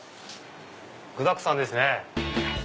具だくさんですね。